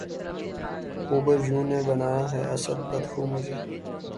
خوبرویوں نے بنایا ہے اسد بد خو مجھے